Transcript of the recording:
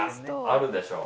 あるでしょ。